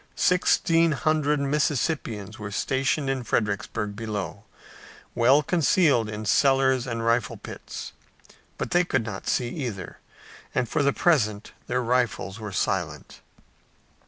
Sixteen hundred Mississippians were stationed in Fredericksburg below, well concealed in cellars and rifle pits, but they could not see either, and for the present their rifles were silent.